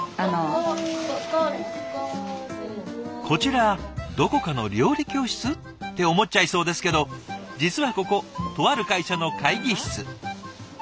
こちらどこかの料理教室？って思っちゃいそうですけど実はこことある会社の会議室。